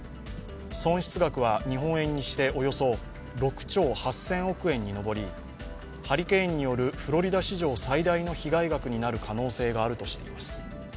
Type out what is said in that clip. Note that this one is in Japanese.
損失額は日本円にしておよそ６兆８０００億円に上りハリケーンによる、フロリダ史上最大の被害額になる可能性があるとしています。